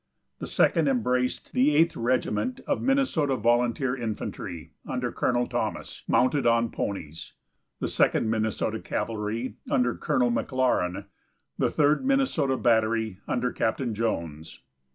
The second embraced the Eighth Regiment of Minnesota Volunteer Infantry, under Colonel Thomas, mounted on ponies; the Second Minnesota Cavalry, under Colonel MacLaren; the Third Minnesota Battery, under Captain Jones.